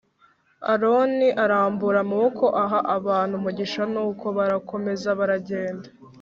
Aroni arambura amaboko aha abantu umugisha nuko barakomeza baragenda.